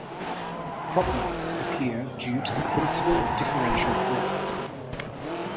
Crop marks appear due to the principle of differential growth.